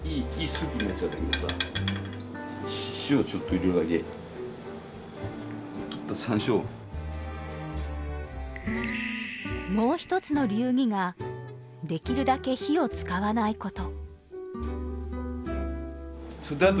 それからこれでもう一つの流儀ができるだけ火を使わないこと。